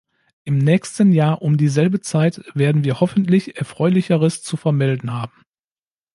Im nächsten Jahr um dieselbe Zeit werden wir hoffentlich Erfreulicheres zu vermelden haben.